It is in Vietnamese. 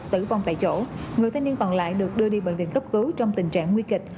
tử vong tại chỗ người thanh niên còn lại được đưa đi bệnh viện cấp cứu trong tình trạng nguy kịch